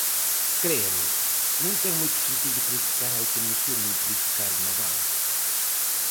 Créame, non ten moito sentido criticar a automoción ou criticar o naval.